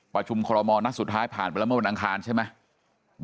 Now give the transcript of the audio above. ประชุมคอลโมนัดสุดท้ายผ่านไปแล้วเมื่อวันอังคารใช่ไหม